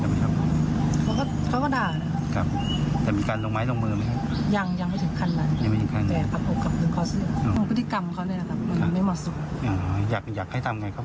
อ๋อก็คือตัวเขาที่เป็นพนักงานใช่ไหมครับ